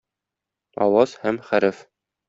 Аваз һәм хәреф.